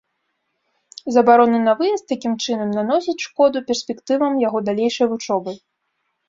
Забарона на выезд, такім чынам, наносіць шкоду перспектывам яго далейшай вучобы.